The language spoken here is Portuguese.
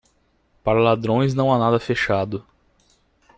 Para ladrões não há nada fechado.